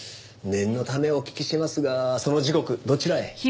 念のためお聞きしますがその時刻どちらへ？